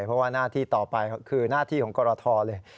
เพราะว่าหน้าที่ต่อไปคือหน้าที่ของกรทเลย